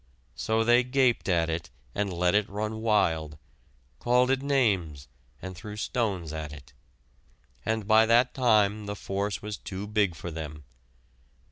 So they gaped at it and let it run wild, called it names, and threw stones at it. And by that time the force was too big for them.